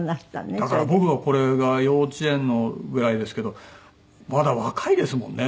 だから僕がこれが幼稚園ぐらいですけどまだ若いですもんね